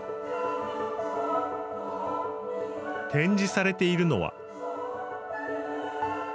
展示されているのは。